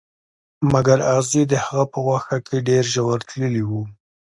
مګر اغزي د هغه په غوښه کې ډیر ژور تللي وو